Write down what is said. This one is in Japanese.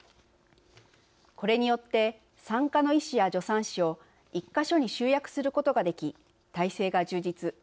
これによって産科の医師や助産師を１か所に集約することができ体制が充実。